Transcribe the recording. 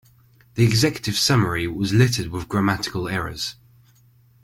The executive summary was littered with grammatical errors.